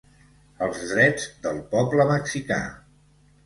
Els Drets del Poble Mexicà.